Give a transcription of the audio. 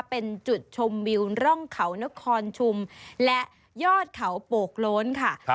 เป็นจุดชมวิวร่องเขานครชุมและยอดเขาโปกโล้นค่ะ